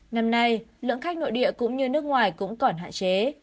năm nay lượng khách nội địa cũng như nước ngoài cũng còn hạn chế